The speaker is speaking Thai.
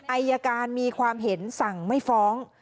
อายการมีความเห็นสั่งไม่ฟ้อง